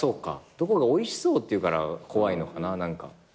「どこがおいしそう」って言うから怖いのかな何か。